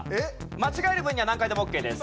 間違える分には何回でもオッケーです。